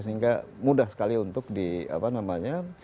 sehingga mudah sekali untuk di apa namanya